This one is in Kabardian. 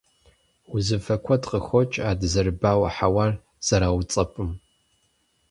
Узыфэ куэд къыхокӀ а дызэрыбауэ хьэуар зэрауцӀэпӀым.